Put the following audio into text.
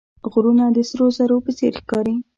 غرونه د سرو زرو په څېر ښکاري